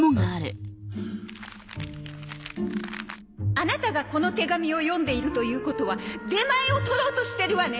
「あなたがこの手紙を読んでいるということは出前を取ろうとしてるわね？